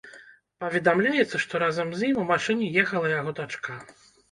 Паведамляецца, што разам з ім у машыне ехала яго дачка.